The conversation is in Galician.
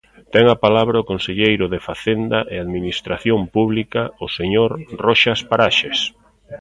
Ten a palabra o conselleiro de Facenda e Administración Pública, o señor Roxas Paraxes.